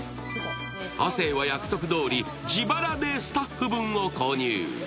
亜生は約束どおり、自腹でスタッフ分を購入。